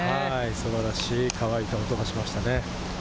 素晴らしい乾いた音がしました。